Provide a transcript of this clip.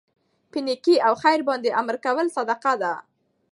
په نيکۍ او خیر باندي امر کول صدقه ده